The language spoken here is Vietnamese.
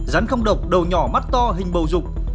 rắn không độc đầu nhỏ mắt to hình bầu dục